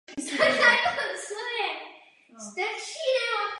Porotě předsedá španělský ministr kultury.